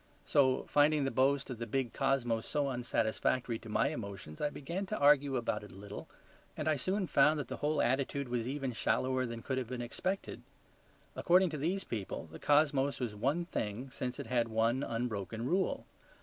So finding the boast of the big cosmos so unsatisfactory to my emotions I began to argue about it a little; and I soon found that the whole attitude was even shallower than could have been expected. According to these people the cosmos was one thing since it had one unbroken rule.